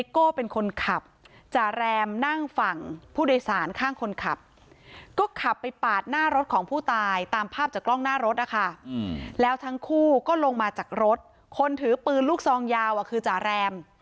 ก็ลงมาจากรถคนถือปือลูกซองยาวคือจะแรม